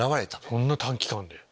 そんな短期間で。